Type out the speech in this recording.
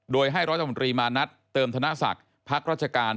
โดยให้รัฐมนตรีมานัดเติมธนศักดิ์พักรัชการ